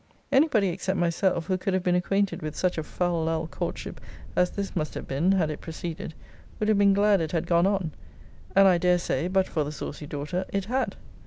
Any body, except myself, who could have been acquainted with such a fal lal courtship as this must have been had it proceeded, would have been glad it had gone on: and I dare say, but for the saucy daughter, it had.